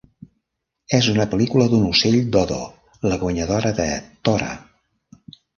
És una pel·lícula d'un ocell-dodo, la guanyadora de "Tora!